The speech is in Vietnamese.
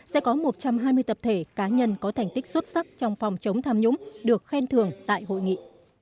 sẽ có một trăm hai mươi tập thể cá nhân có thành tích xuất sắc trong phòng chống tham nhũng được khen thường tại hội nghị